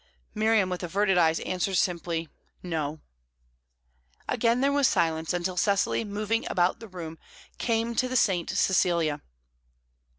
Miriam, with averted eyes, answered simply, "No." Again there was silence, until Cecily, moving about the room, came to the "St. Cecilia."